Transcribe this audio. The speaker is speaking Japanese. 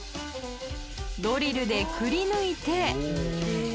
ドリルでくりぬいて。